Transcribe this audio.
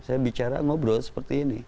saya bicara ngobrol seperti ini